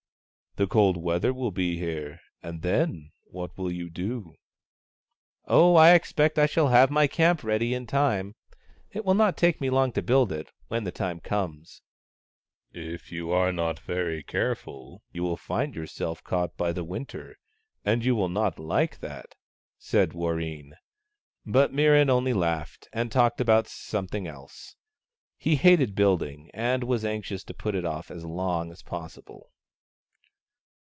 " The cold weather will be here, and then what will you do ?"" Oh, I expect I shall have my camp ready in time. It will not take me long to build it, when the time comes." " If you are not very careful, you will find your self caught by the Winter, and 3^ou will not like that," said Warreen. But Mirran onl}' laughed and talked about something else. He hated build 154 MIRRAN AND WARREEN ing, and was anxious to put it off as long as possible.